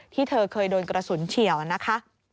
ที่เธอเคยโดนกระสุนเฉียวนะคะ